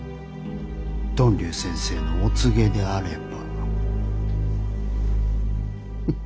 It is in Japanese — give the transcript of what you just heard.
呑龍先生のお告げであれば。